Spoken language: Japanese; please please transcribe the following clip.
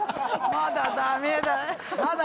まだダメだ。